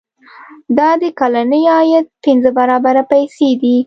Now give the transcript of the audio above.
دا د کلني عاید پنځه برابره پیسې دي.